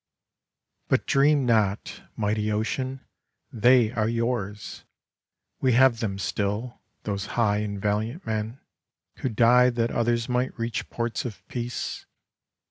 But dream not, mighty Ocean, they are yours 1 We have them still, those high and valiant men Who died that others might reach ports of peace.